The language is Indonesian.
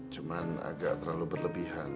cuma akan terlalu berlebihan